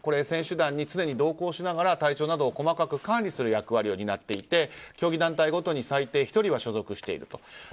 選手団に常に同行しながら体調などを細かく管理する役割を担っていて競技団体ごとに最低１人は所属していると。